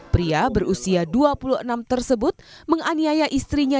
pria berusia dua puluh enam tersebut menganiaya istrinya